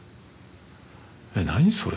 「え何？それ」